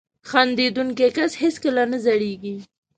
• خندېدونکی کس هیڅکله نه زړېږي.